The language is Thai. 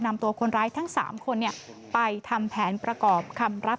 นำตัวคนร้ายทั้ง๓คนไปทำแผนประกอบคำรับ